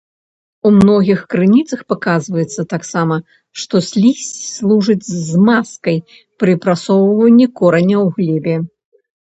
У многіх крыніцах паказваецца таксама, што слізь служыць змазкай пры прасоўванні кораня ў глебе.